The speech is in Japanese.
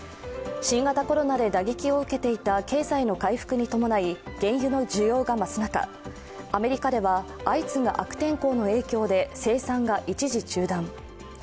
新型コロナで打撃を受けていた経済の回復に伴い原油の需要が増す中、アメリカでは相次ぐ悪天候の影響で生産が一時中断。